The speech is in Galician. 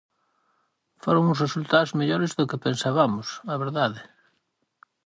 Foron uns resultados mellores do que pensabamos, a verdade.